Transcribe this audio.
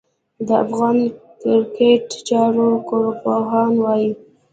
د افغان کرېکټ چارو کارپوهان وايي